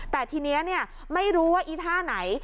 แต่ทีนี้ไม่รู้ว่าอีท่าไหน